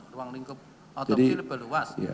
ruang lingkup otopsi lebih luas